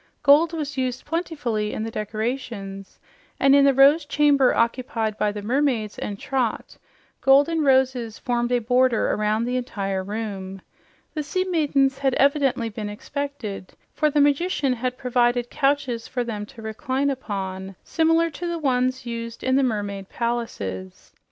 Gold was used plentifully in the decorations, and in the Rose Chamber occupied by the mermaids and Trot golden roses formed a border around the entire room. The sea maidens had evidently been expected, for the magician had provided couches for them to recline upon similar to the ones used in the mermaid palaces.